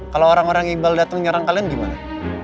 kalau orang orang iqbal datang nyerang kalian gimana